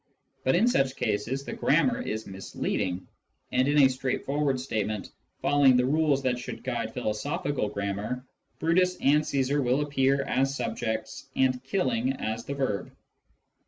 But in such cases the grammar is misleading, and in a straightforward statement, following the rules that should guide philosophical grammar, Brutus and Caesar will appear as the subjects and killing as the verb.